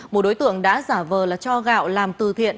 một đối tượng đã giả vờ là cho gạo làm từ thiện